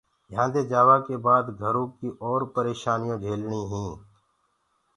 يهآنٚدي جآوآ ڪي بآد گھرو ڪيٚ اور پريشآنيٚون جھيلڻينٚ